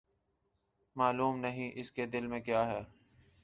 معلوم نہیں، اس کے دل میں کیاہے؟